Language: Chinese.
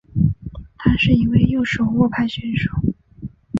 他是一位右手握拍选手。